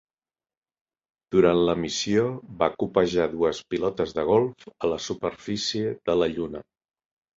Durant la missió, va copejar dues pilotes de golf a la superfície de la lluna.